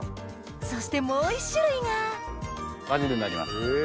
そしてもう１種類がバジルになります。